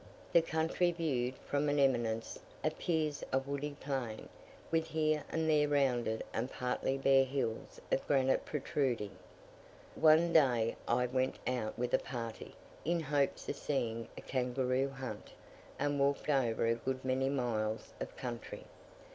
The country, viewed from an eminence, appears a woody plain, with here and there rounded and partly bare hills of granite protruding. One day I went out with a party, in hopes of seeing a kangaroo hunt, and walked over a good many miles of country.